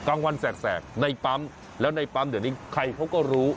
กลางวันแสกในปั๊มแล้วในปั๊มเดี๋ยวนี้ใครเขาก็รู้